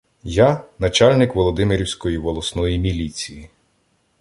Я — начальник Володимирівської волосної міліції.